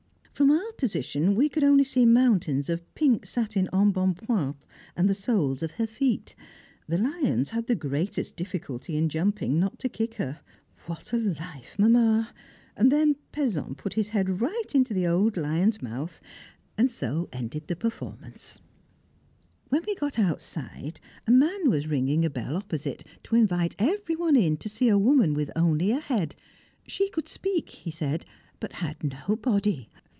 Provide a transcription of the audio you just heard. From our position we could only see mountains of pink satin embonpoint, and the soles of her feet. The lions had the greatest difficulty in jumping not to kick her. What a life, Mamma! Then Pezon put his head right into the old lion's mouth, and so ended the performance. [Sidenote: Inspecting the Machinery] When we got outside, a man was ringing a bell opposite, to invite every one in to see a woman with only a head; she could speak, he said, but had no body.